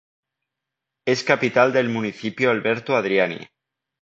Es capital del municipio Alberto Adriani.